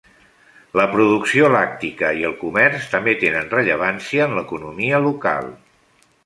La producció làctica i el comerç també tenen rellevància en l'economia local.